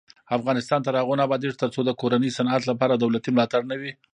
افغانستان تر هغو نه ابادیږي، ترڅو د کورني صنعت لپاره دولتي ملاتړ نه وي.